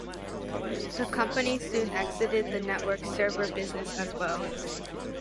The company soon exited the network server business as well.